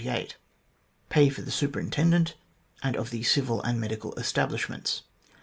d. Pay of the Superintendent and of the Civil and Medical Establishments